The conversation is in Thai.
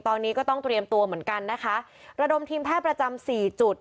ตอนนี้ก็ต้องเตรียมตัวเหมือนกันนะคะระดมทีมแพทย์ประจำสี่จุด